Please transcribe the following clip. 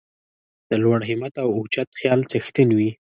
د لوړ همت او اوچت خیال څښتن وي.